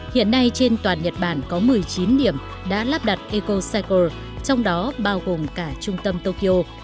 hiện nay trên toàn nhật bản có một mươi chín điểm đã lắp đặt ecocycle trong đó bao gồm cả trung tâm tokyo